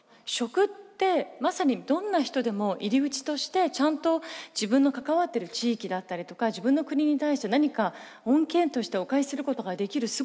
「食」ってまさにどんな人でも入り口としてちゃんと自分の関わってる地域だったりとか自分の国に対して何か恩恵としてお返しすることができる